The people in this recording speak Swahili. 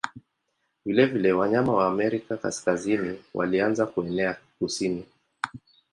Vilevile wanyama wa Amerika Kaskazini walianza kuenea kusini.